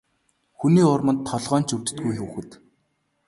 Хүний урманд толгой нь ч өвддөггүй хүүхэд.